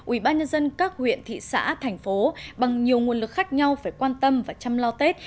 ubnd các huyện thị xã thành phố bằng nhiều nguồn lực khác nhau phải quan tâm và chăm lo tết